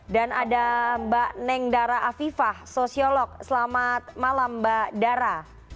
dan ada mbak nengdara afifah sosiolog selamat malam mbak dara